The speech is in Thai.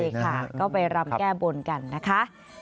ใช่ค่ะก็ไปรำแก้บนกันนะคะ